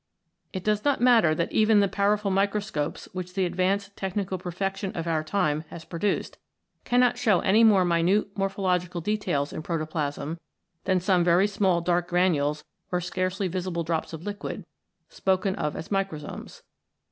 It does not matter 12 PROTOPLASM that even the powerful microscopes which the ad vanced technical perfection of our time has pro duced, cannot show any more minute morphological details in protoplasm than some very small dark granules or scarcely visible drops of liquid, spoken of as Microsomes.